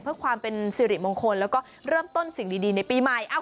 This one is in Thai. เพื่อความเป็นสิริมงคลแล้วก็เริ่มต้นสิ่งดีในปีใหม่